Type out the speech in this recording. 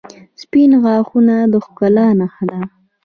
• سپین غاښونه د ښکلا نښه ده.